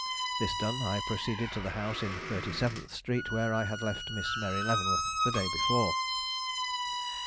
This done, I proceeded to the house in Thirty seventh Street where I had left Miss Mary Leavenworth the day before.